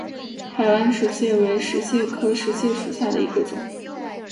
台湾石蟹为石蟹科石蟹属下的一个种。